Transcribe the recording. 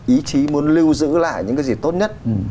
ý chí muốn lưu giữ lại những cái gì tốt nhất